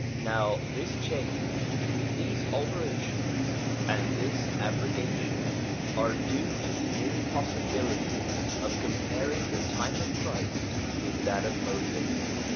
Now this change, these alterations, and this abroga tion are due to the impossibility of comparing the time of Christ with that of Moses.